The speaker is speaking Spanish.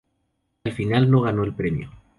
Al final no ganó el premio.